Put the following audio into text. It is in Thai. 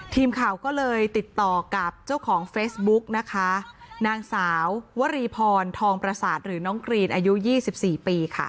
ทีมข่าวก็เลยติดต่อกับเจ้าของเฟซบุ๊กนะคะนางสาววรีพรทองประสาทหรือน้องกรีนอายุ๒๔ปีค่ะ